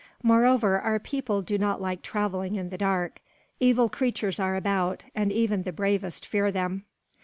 Moreover, our people do not like travelling in the dark. Evil creatures are about, and even the bravest fear them."